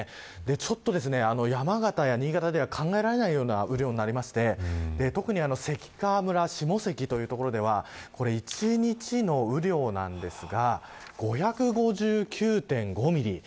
ちょっと山形や新潟では考えられないような雨量になりまして特に関川村下関という所では１日の雨量ですが５５９．５ミリ。